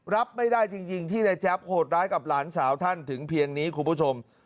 รับไม่ได้จริงที่นายแจ๊บโหดร้ายกับหลานสาวท่านถึงเพียงนี้คุณผู้ชม